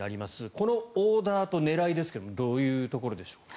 このオーダーと狙いですけれどもどういうところでしょう。